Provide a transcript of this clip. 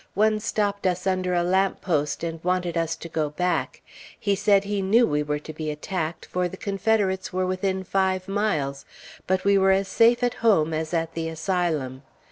One stopped us under a lamp post and wanted us to go back. He said he knew we were to be attacked, for the Confederates were within five miles; but we were as safe at home as at the Asylum.